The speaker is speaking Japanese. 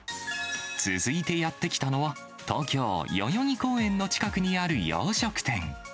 続いてやって来たのは、東京・代々木公園の近くにある洋食店。